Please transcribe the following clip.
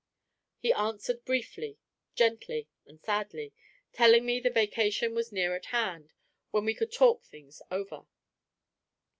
He answered briefly, gently, and sadly, telling me the vacation was near at hand, when we could talk things over.